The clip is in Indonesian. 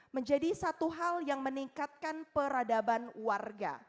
menjadi satu hal yang meningkatkan peradaban warga